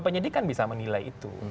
penyidik kan bisa menilai itu